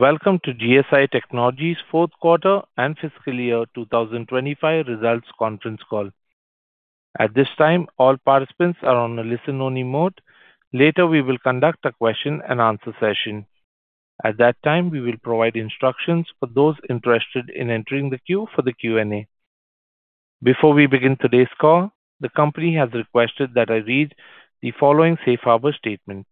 Welcome to GSI Technology's 4th Quarter and Fiscal Year 2025 Results Conference Call. At this time, all participants are on a listen-only mode. Later, we will conduct a question-and-answer session. At that time, we will provide instructions for those interested in entering the queue for the Q&A. Before we begin today's call, the company has requested that I read the following safe harbor statement.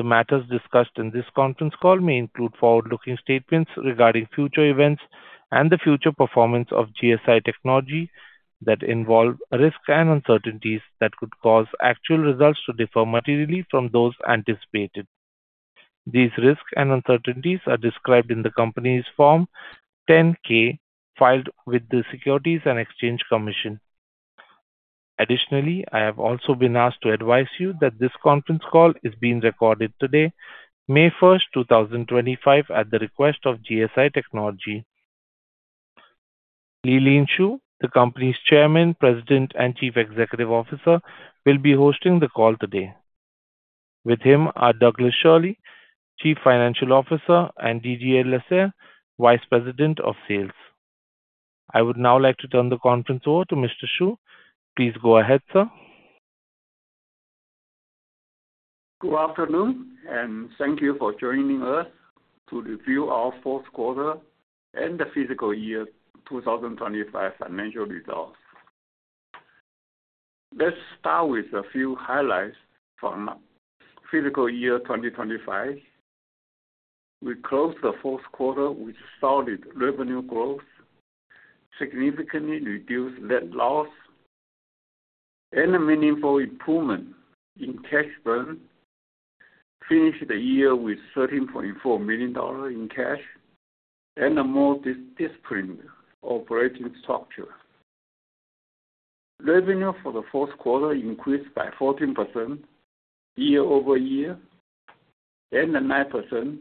The matters discussed in this conference call may include forward-looking statements regarding future events and the future performance of GSI Technology that involve risks and uncertainties that could cause actual results to differ materially from those anticipated. These risks and uncertainties are described in the company's Form 10-K filed with the Securities and Exchange Commission. Additionally, I have also been asked to advise you that this conference call is being recorded today, May 1, 2025, at the request of GSI Technology. Lee-Lean Shu, the company's Chairman, President, and Chief Executive Officer, will be hosting the call today. With him are Douglas Schirle, Chief Financial Officer, and Didier Lasserre, Vice President of Sales. I would now like to turn the conference over to Mr. Shu. Please go ahead, sir. Good afternoon, and thank you for joining us to review our fourth quarter and the fiscal year 2025 financial results. Let's start with a few highlights from fiscal year 2025. We closed the fourth quarter with solid revenue growth, significantly reduced net loss, and a meaningful improvement in cash burn, finished the year with $13.4 million in cash and a more disciplined operating structure. Revenue for the fourth quarter increased by 14% year over year and 9%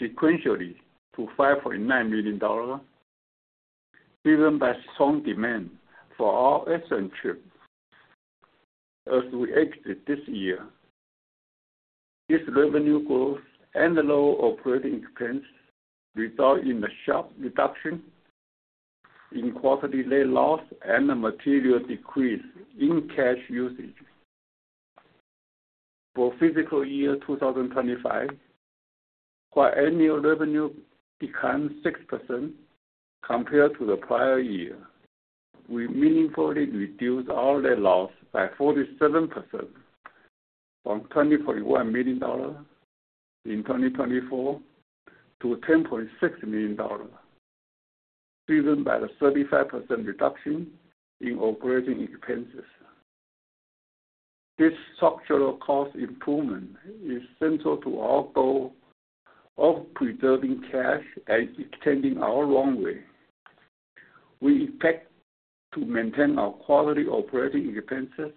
sequentially to $5.9 million, driven by strong demand for our eSRAM chip as we exit this year. This revenue growth and low operating expense resulted in a sharp reduction in quarterly net loss and a material decrease in cash usage. For fiscal year 2025, while annual revenue declined 6% compared to the prior year, we meaningfully reduced our net loss by 47% from $20.1 million in 2024 to $10.6 million, driven by a 35% reduction in operating expenses. This structural cost improvement is central to our goal of preserving cash and extending our runway. We expect to maintain our quarterly operating expenses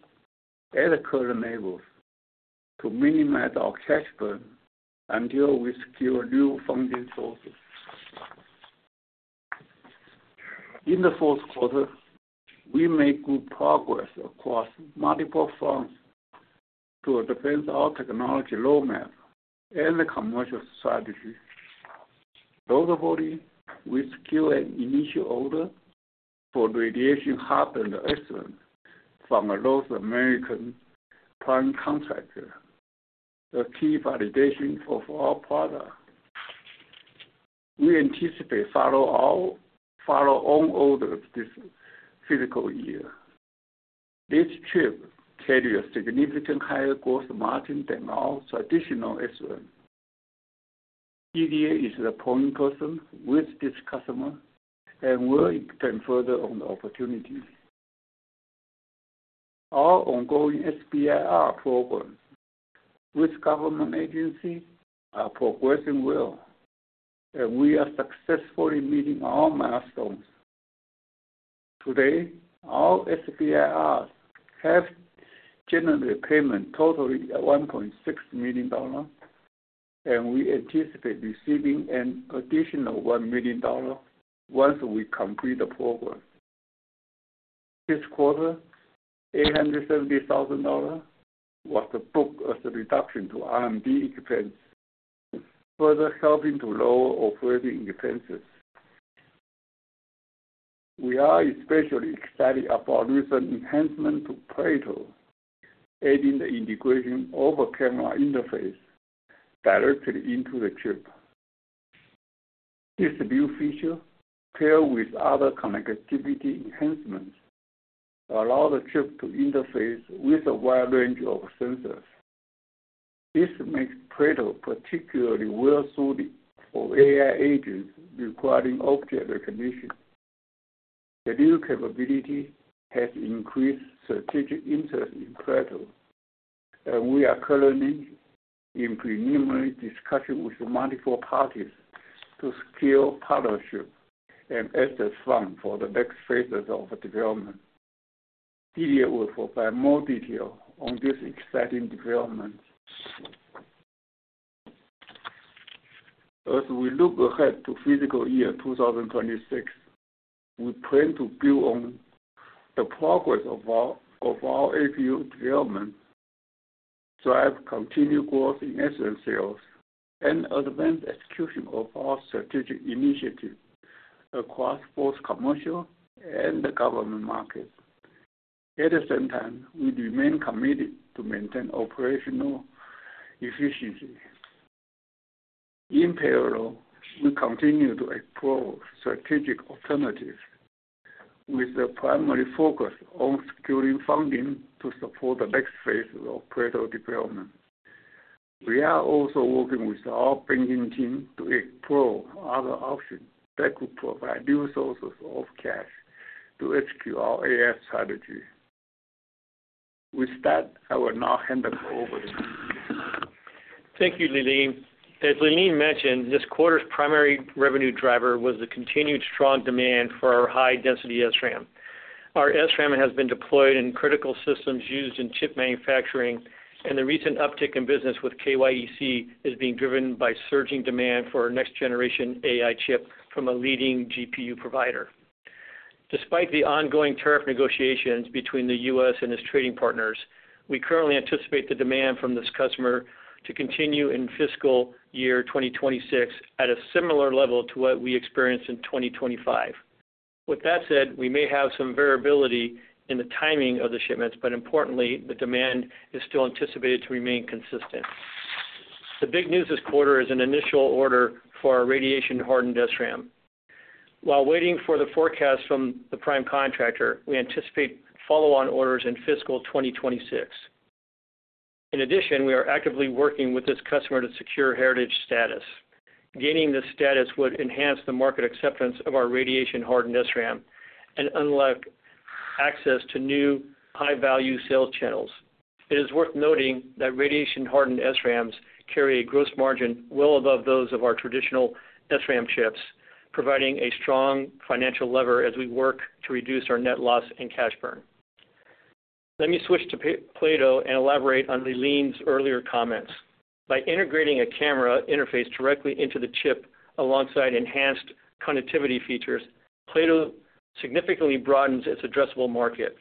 at current levels to minimize our cash burn until we secure new funding sources. In the fourth quarter, we made good progress across multiple fronts to advance our technology roadmap and the commercial strategy. Notably, we secured an initial order for the radiation-hardened eSRAM from a North American prime contractor, a key validation for our product. We anticipate follow-on orders this fiscal year. This chip carries a significantly higher gross margin than our traditional eSRAM. Didier is the point person with this customer and will expand further on the opportunity. Our ongoing SBIR programs with government agencies are progressing well, and we are successfully meeting our milestones. Today, our SBIRs have general repayment totaling $1.6 million, and we anticipate receiving an additional $1 million once we complete the program. This quarter, $870,000 was the book as a reduction to R&D expense, further helping to lower operating expenses. We are especially excited about recent enhancements to Plato, adding the integration of a camera interface directly into the chip. This new feature, paired with other connectivity enhancements, allows the chip to interface with a wide range of sensors. This makes Plato particularly well-suited for AI agents requiring object recognition. The new capability has increased strategic interest in Plato, and we are currently in preliminary discussions with multiple parties to secure partnerships and asset funds for the next phases of development. Didier will provide more detail on this exciting development. As we look ahead to fiscal year 2026, we plan to build on the progress of our APU development, drive continued growth in eSRAM sales, and advance the execution of our strategic initiatives across both commercial and government markets. At the same time, we remain committed to maintain operational efficiency. In parallel, we continue to explore strategic alternatives, with a primary focus on securing funding to support the next phase of Plato development. We are also working with our banking team to explore other options that could provide new sources of cash to execute our AI strategy. With that, I will now hand over to Didier. Thank you, Lee-Lean. As Lee-Lean mentioned, this quarter's primary revenue driver was the continued strong demand for our high-density eSRAM. Our eSRAM has been deployed in critical systems used in chip manufacturing, and the recent uptick in business with KYEC is being driven by surging demand for our next-generation AI chip from a leading GPU provider. Despite the ongoing tariff negotiations between the U.S. and its trading partners, we currently anticipate the demand from this customer to continue in fiscal year 2026 at a similar level to what we experienced in 2025. With that said, we may have some variability in the timing of the shipments, but importantly, the demand is still anticipated to remain consistent. The big news this quarter is an initial order for our radiation-hardened eSRAM. While waiting for the forecast from the prime contractor, we anticipate follow-on orders in fiscal 2026. In addition, we are actively working with this customer to secure heritage status. Gaining this status would enhance the market acceptance of our radiation-hardened eSRAM and unlock access to new high-value sales channels. It is worth noting that radiation-hardened eSRAMs carry a gross margin well above those of our traditional eSRAM chips, providing a strong financial lever as we work to reduce our net loss and cash burn. Let me switch to Plato and elaborate on Lee-Lean's earlier comments. By integrating a camera interface directly into the chip alongside enhanced connectivity features, Plato significantly broadens its addressable market.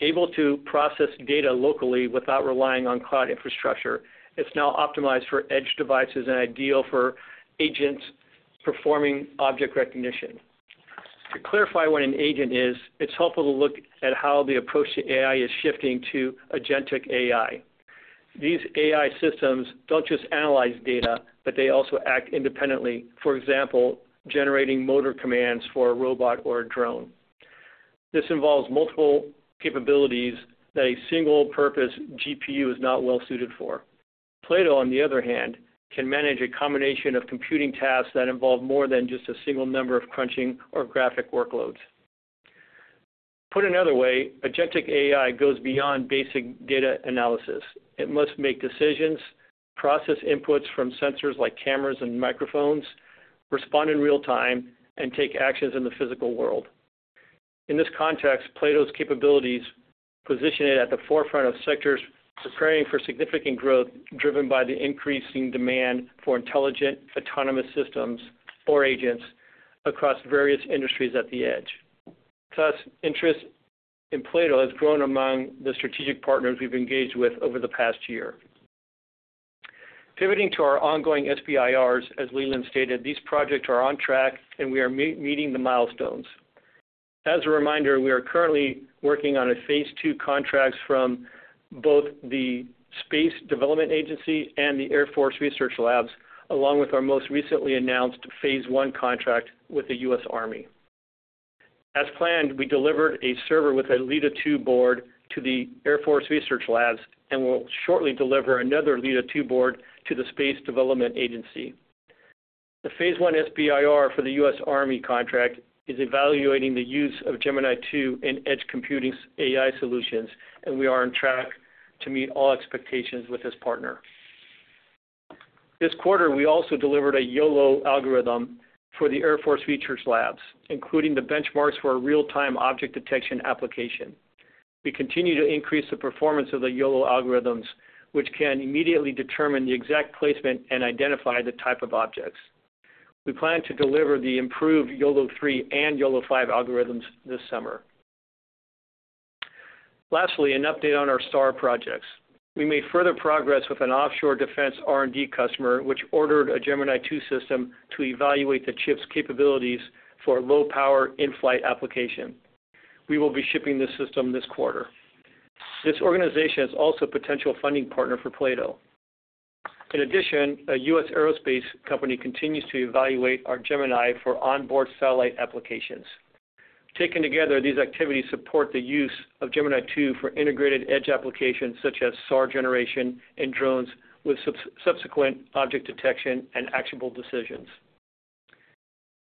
Able to process data locally without relying on cloud infrastructure, it's now optimized for edge devices and ideal for agents performing object recognition. To clarify what an agent is, it's helpful to look at how the approach to AI is shifting to agentic AI. These AI systems do not just analyze data, but they also act independently, for example, generating motor commands for a robot or a drone. This involves multiple capabilities that a single-purpose GPU is not well-suited for. Plato, on the other hand, can manage a combination of computing tasks that involve more than just a single number crunching or graphic workloads. Put another way, agentic AI goes beyond basic data analysis. It must make decisions, process inputs from sensors like cameras and microphones, respond in real time, and take actions in the physical world. In this context, Plato's capabilities position it at the forefront of sectors preparing for significant growth driven by the increasing demand for intelligent autonomous systems or agents across various industries at the edge. Thus, interest in Plato has grown among the strategic partners we have engaged with over the past year. Pivoting to our ongoing SBIRs, as Lee-Lean stated, these projects are on track, and we are meeting the milestones. As a reminder, we are currently working on a phase two contract from both the Space Development Agency and the Air Force Research Labs, along with our most recently announced phase one contract with the U.S. Army. As planned, we delivered a server with a LIDA2 board to the Air Force Research Labs and will shortly deliver another LIDA2 board to the Space Development Agency. The phase one SBIR for the U.S. Army contract is evaluating the use of Gemini 2 and edge computing AI solutions, and we are on track to meet all expectations with this partner. This quarter, we also delivered a YOLO algorithm for the Air Force Research Labs, including the benchmarks for a real-time object detection application. We continue to increase the performance of the YOLO algorithms, which can immediately determine the exact placement and identify the type of objects. We plan to deliver the improved YOLO3 and YOLO5 algorithms this summer. Lastly, an update on our SAR projects. We made further progress with an offshore defense R&D customer, which ordered a Gemini 2 system to evaluate the chip's capabilities for low-power in-flight application. We will be shipping this system this quarter. This organization is also a potential funding partner for Plato. In addition, a U.S. aerospace company continues to evaluate our Gemini for onboard satellite applications. Taken together, these activities support the use of Gemini 2 for integrated edge applications such as SAR generation and drones, with subsequent object detection and actionable decisions.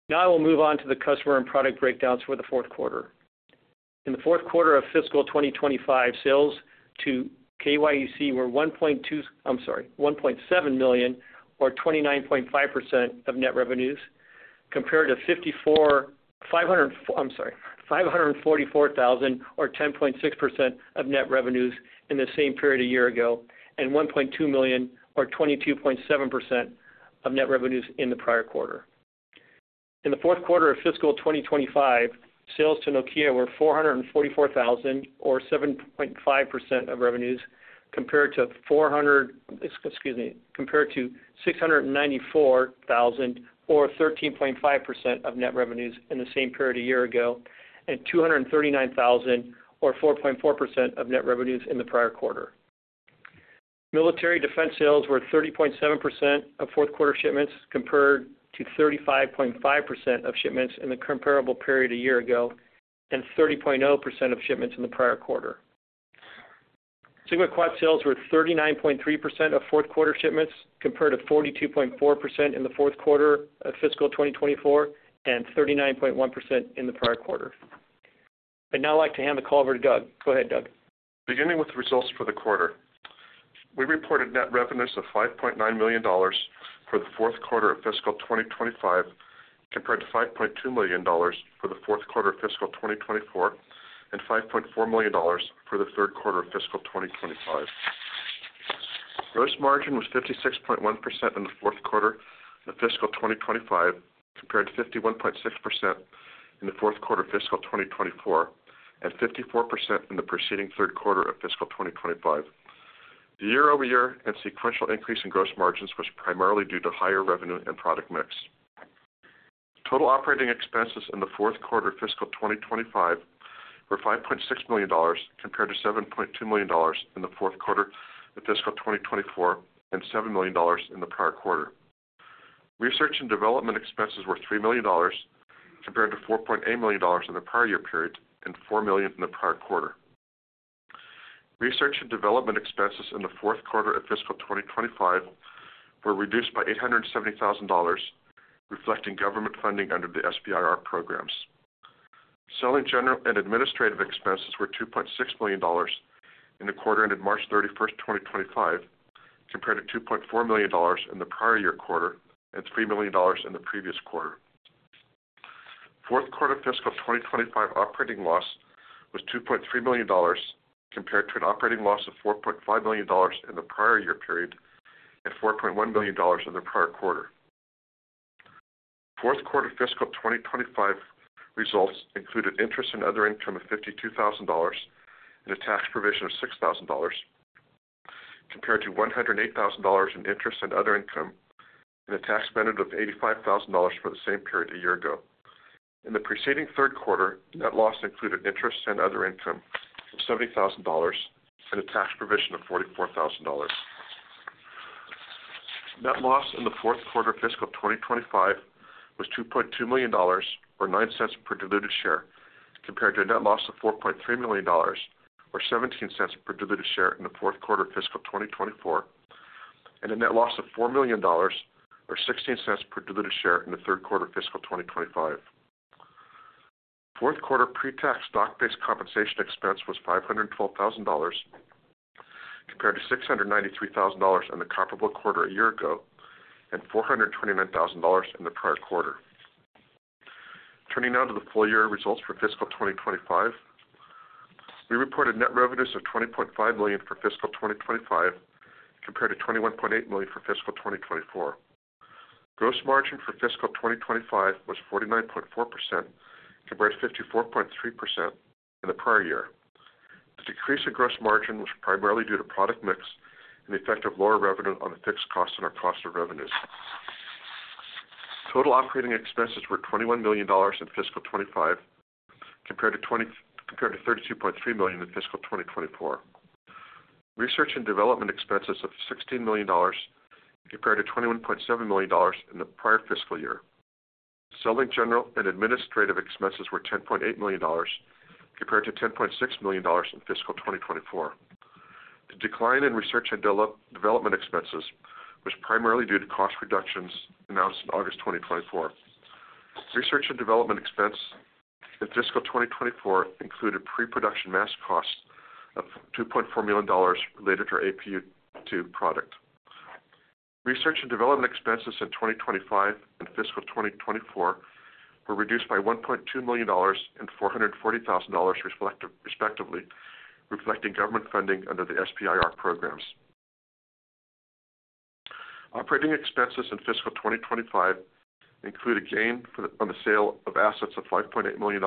Now I will move on to the customer and product breakdowns for the fourth quarter. In the fourth quarter of fiscal 2025, sales to KYEC were $1.7 million, or 29.5% of net revenues, compared to $544,000, or 10.6% of net revenues in the same period a year ago, and $1.2 million, or 22.7% of net revenues in the prior quarter. In the fourth quarter of fiscal 2025, sales to Nokia were $444,000, or 7.5% of revenues, compared to $694,000, or 13.5% of net revenues in the same period a year ago, and $239,000, or 4.4% of net revenues in the prior quarter. Military defense sales were 30.7% of fourth-quarter shipments, compared to 35.5% of shipments in the comparable period a year ago, and 30.0% of shipments in the prior quarter. SigmaQuad sales were 39.3% of fourth-quarter shipments, compared to 42.4% in the fourth quarter of fiscal 2024, and 39.1% in the prior quarter. I'd now like to hand the call over to Doug. Go ahead, Doug. Beginning with the results for the quarter, we reported net revenues of $5.9 million for the fourth quarter of fiscal 2025, compared to $5.2 million for the fourth quarter of fiscal 2024, and $5.4 million for the third quarter of fiscal 2025. Gross margin was 56.1% in the fourth quarter of fiscal 2025, compared to 51.6% in the fourth quarter of fiscal 2024, and 54% in the preceding third quarter of fiscal 2025. The year-over-year and sequential increase in gross margins was primarily due to higher revenue and product mix. Total operating expenses in the fourth quarter of fiscal 2025 were $5.6 million, compared to $7.2 million in the fourth quarter of fiscal 2024, and $7 million in the prior quarter. Research and development expenses were $3 million, compared to $4.8 million in the prior year period, and $4 million in the prior quarter. Research and development expenses in the fourth quarter of fiscal 2025 were reduced by $870,000, reflecting government funding under the SBIR programs. Selling general and administrative expenses were $2.6 million in the quarter ended March 31, 2025, compared to $2.4 million in the prior year quarter, and $3 million in the previous quarter. Fourth quarter fiscal 2025 operating loss was $2.3 million, compared to an operating loss of $4.5 million in the prior year period, and $4.1 million in the prior quarter. Fourth quarter fiscal 2025 results included interest and other income of $52,000, and a tax provision of $6,000, compared to $108,000 in interest and other income, and a tax benefit of $85,000 for the same period a year ago. In the preceding third quarter, net loss included interest and other income of $70,000, and a tax provision of $44,000. Net loss in the fourth quarter fiscal 2025 was $2.2 million, or $0.09 per diluted share, compared to a net loss of $4.3 million, or $0.17 per diluted share in the fourth quarter fiscal 2024, and a net loss of $4 million, or $0.16 per diluted share in the third quarter fiscal 2025. Fourth quarter pre-tax stock-based compensation expense was $512,000, compared to $693,000 in the comparable quarter a year ago, and $429,000 in the prior quarter. Turning now to the full year results for fiscal 2025, we reported net revenues of $20.5 million for fiscal 2025, compared to $21.8 million for fiscal 2024. Gross margin for fiscal 2025 was 49.4%, compared to 54.3% in the prior year. The decrease in gross margin was primarily due to product mix and the effect of lower revenue on the fixed costs and our cost of revenues. Total operating expenses were $21 million in fiscal 2025, compared to $32.3 million in fiscal 2024. Research and development expenses of $16 million, compared to $21.7 million in the prior fiscal year. Selling, general and administrative expenses were $10.8 million, compared to $10.6 million in fiscal 2024. The decline in research and development expenses was primarily due to cost reductions announced in August 2024. Research and development expenses in fiscal 2024 included pre-production mass costs of $2.4 million related to our APU2 product. Research and development expenses in 2025 and fiscal 2024 were reduced by $1.2 million and $440,000 respectively, reflecting government funding under the SBIR programs. Operating expenses in fiscal 2025 include a gain on the sale of assets of $5.8 million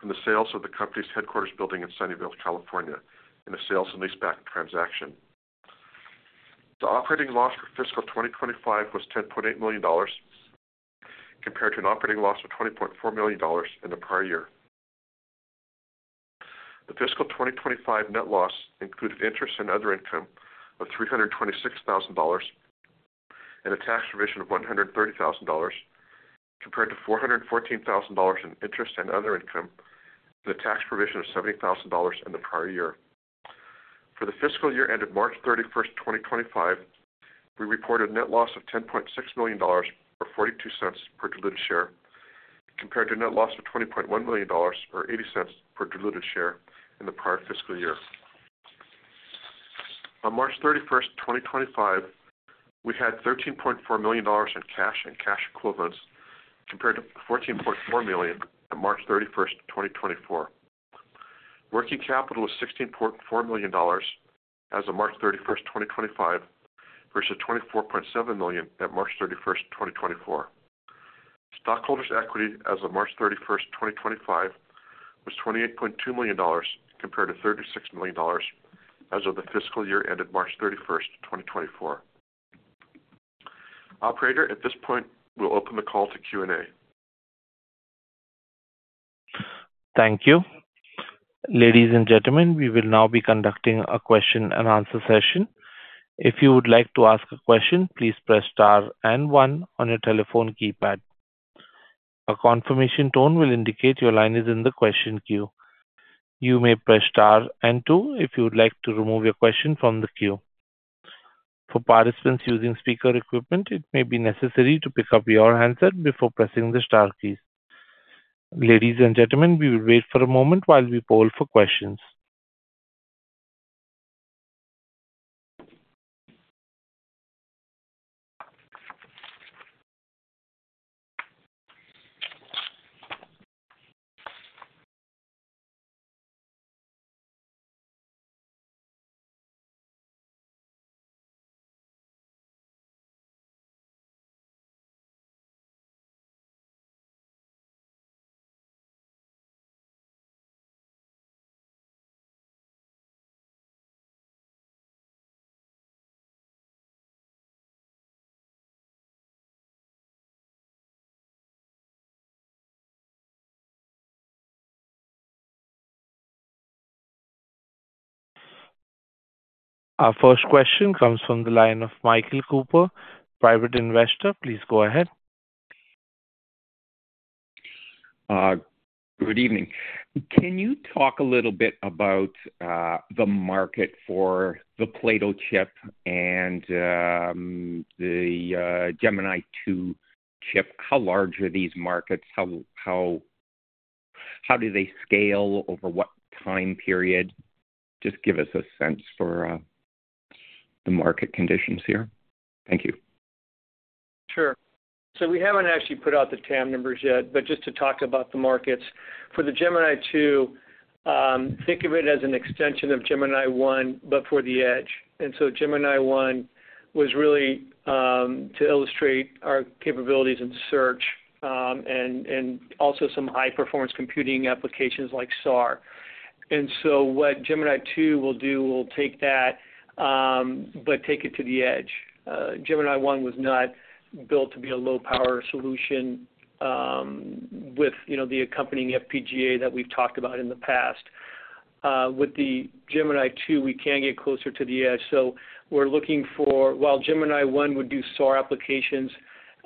from the sale of the company's headquarters building in Sunnyvale, California, and a sale and leaseback transaction. The operating loss for fiscal 2025 was $10.8 million, compared to an operating loss of $20.4 million in the prior year. The fiscal 2025 net loss included interest and other income of $326,000, and a tax provision of $130,000, compared to $414,000 in interest and other income, and a tax provision of $70,000 in the prior year. For the fiscal year ended March 31, 2025, we reported net loss of $10.6 million, or $0.42 per diluted share, compared to net loss of $20.1 million, or $0.80 per diluted share in the prior fiscal year. On March 31, 2025, we had $13.4 million in cash and cash equivalents, compared to $14.4 million at March 31, 2024. Working capital was $16.4 million as of March 31, 2025, versus $24.7 million at March 31, 2024. Stockholders' equity as of March 31, 2025, was $28.2 million, compared to $36 million as of the fiscal year ended March 31, 2024. Operator, at this point, we'll open the call to Q&A. Thank you. Ladies and gentlemen, we will now be conducting a question-and-answer session. If you would like to ask a question, please press star and one on your telephone keypad. A confirmation tone will indicate your line is in the question queue. You may press star and two if you would like to remove your question from the queue. For participants using speaker equipment, it may be necessary to pick up your handset before pressing the star keys. Ladies and gentlemen, we will wait for a moment while we poll for questions. Our first question comes from the line of Michael Cooper, private investor. Please go ahead. Good evening. Can you talk a little bit about the market for the Plato chip and the Gemini 2 chip? How large are these markets? How do they scale over what time period? Just give us a sense for the market conditions here. Thank you. Sure. We have not actually put out the TAM numbers yet, but just to talk about the markets. For the Gemini 2, think of it as an extension of Gemini 1, but for the edge. Gemini 1 was really to illustrate our capabilities in search and also some high-performance computing applications like SAR. What Gemini 2 will do is take that, but take it to the edge. Gemini 1 was not built to be a low-power solution with the accompanying FPGA that we have talked about in the past. With the Gemini 2, we can get closer to the edge. We are looking for, while Gemini 1 would do SAR applications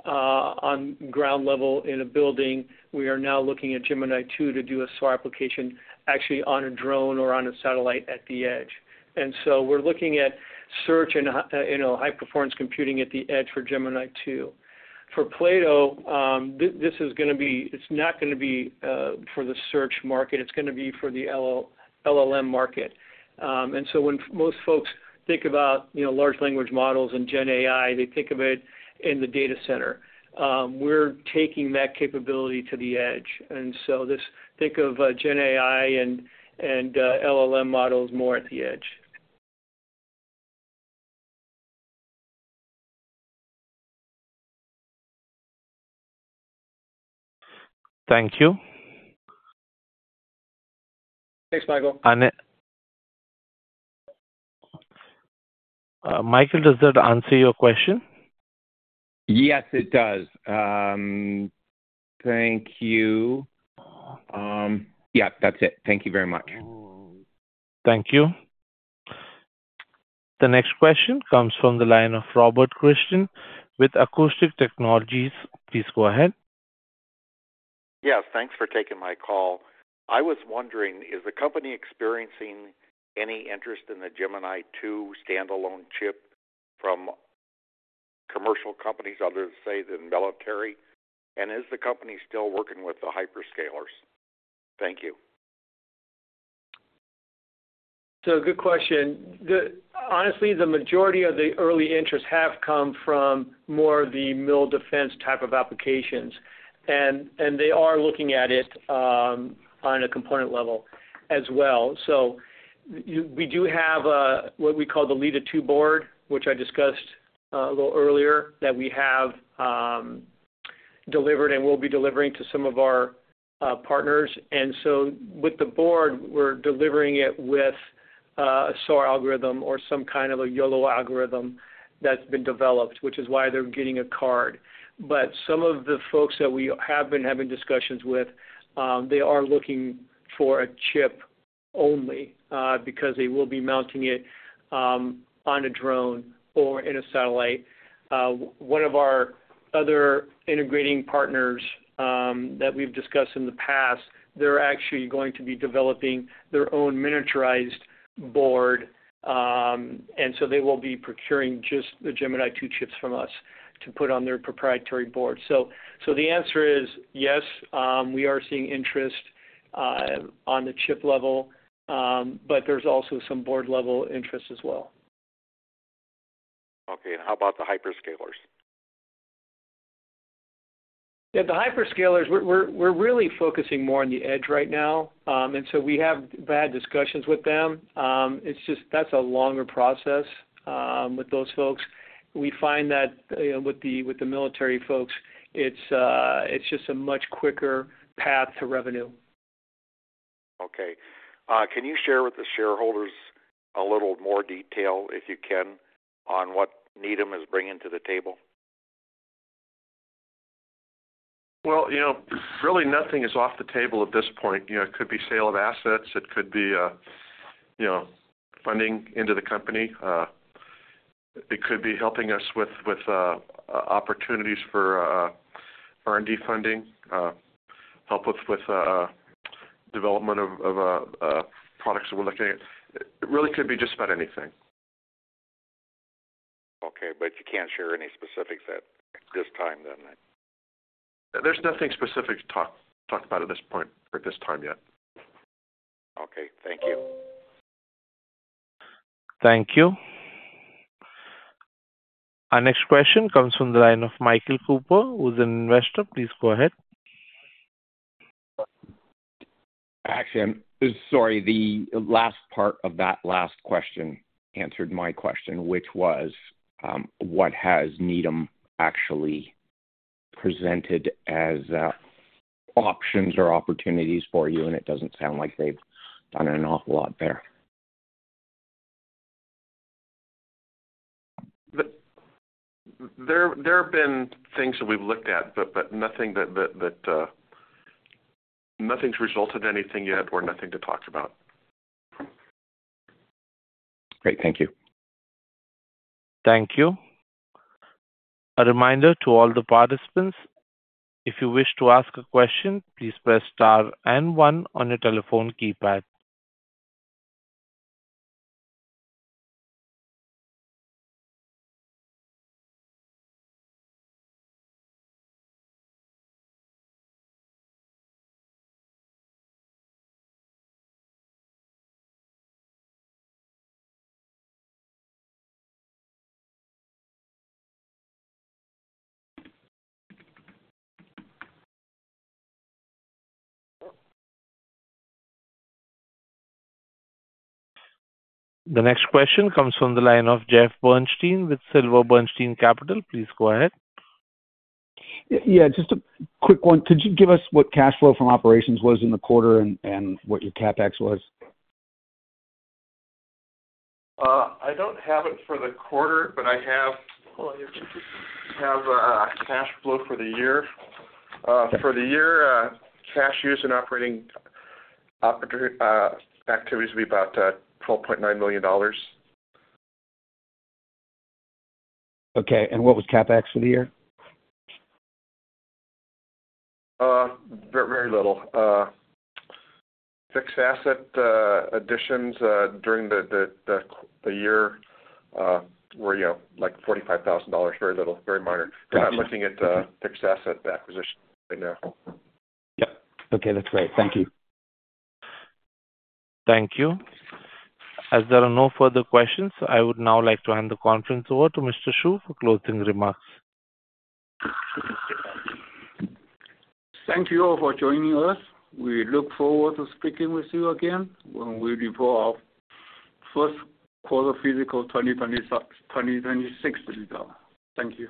on ground level in a building, we are now looking at Gemini 2 to do a SAR application actually on a drone or on a satellite at the edge. We are looking at search and high-performance computing at the edge for Gemini 2. For Plato, this is going to be, it is not going to be for the search market. It is going to be for the LLM market. When most folks think about large language models and GenAI, they think of it in the data center. We are taking that capability to the edge. Think of GenAI and LLM models more at the edge. Thank you. Thanks, Michael. Michael, does that answer your question? Yes, it does. Thank you. Yeah, that's it. Thank you very much. Thank you. The next question comes from the line of Robert Christian with Acoustic Technologies. Please go ahead. Yes, thanks for taking my call. I was wondering, is the company experiencing any interest in the Gemini 2 standalone chip from commercial companies other, say, than military? Is the company still working with the hyperscalers? Thank you. Good question. Honestly, the majority of the early interests have come from more of the middle defense type of applications. They are looking at it on a component level as well. We do have what we call the LIDA2 board, which I discussed a little earlier, that we have delivered and will be delivering to some of our partners. With the board, we're delivering it with a SAR algorithm or some kind of a YOLO algorithm that's been developed, which is why they're getting a card. Some of the folks that we have been having discussions with are looking for a chip only because they will be mounting it on a drone or in a satellite. One of our other integrating partners that we've discussed in the past is actually going to be developing their own miniaturized board. They will be procuring just the Gemini 2 chips from us to put on their proprietary board. The answer is yes, we are seeing interest on the chip level, but there is also some board-level interest as well. Okay. How about the hyperscalers? Yeah, the hyperscalers, we're really focusing more on the edge right now. We have had discussions with them. It's just that's a longer process with those folks. We find that with the military folks, it's just a much quicker path to revenue. Okay. Can you share with the shareholders a little more detail, if you can, on what Needham is bringing to the table? Really nothing is off the table at this point. It could be sale of assets. It could be funding into the company. It could be helping us with opportunities for R&D funding, help with development of products that we're looking at. It really could be just about anything. Okay. You can't share any specifics at this time, then? There's nothing specific to talk about at this point or at this time yet. Okay. Thank you. Thank you. Our next question comes from the line of Michael Cooper, an investor. Please go ahead. Actually, I'm sorry. The last part of that last question answered my question, which was, what has Needham actually presented as options or opportunities for you? It doesn't sound like they've done an awful lot there. There have been things that we've looked at, but nothing's resulted in anything yet or nothing to talk about. Great. Thank you. Thank you. A reminder to all the participants, if you wish to ask a question, please press star and one on your telephone keypad. The next question comes from the line of Jeff Bernstein with Silver Bernstein Capital. Please go ahead. Yeah, just a quick one. Could you give us what cash flow from operations was in the quarter and what your CapEx was? I don't have it for the quarter, but I have cash flow for the year. For the year, cash use and operating activities would be about $12.9 million. Okay. What was CapEx for the year? Very little. Fixed asset additions during the year were like $45,000. Very little. Very minor. We're not looking at fixed asset acquisition right now. Yep. Okay. That's great. Thank you. Thank you. As there are no further questions, I would now like to hand the conference over to Mr. Shu for closing remarks. Thank you all for joining us. We look forward to speaking with you again when we report our first quarter fiscal 2026 data. Thank you.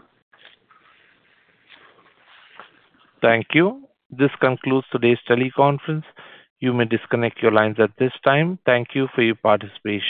Thank you. This concludes today's teleconference. You may disconnect your lines at this time. Thank you for your participation.